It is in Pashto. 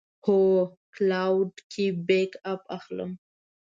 هو، کلاوډ کې بیک اپ اخلم